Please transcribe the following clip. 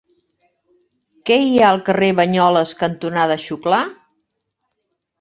Què hi ha al carrer Banyoles cantonada Xuclà?